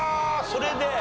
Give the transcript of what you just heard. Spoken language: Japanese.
それで？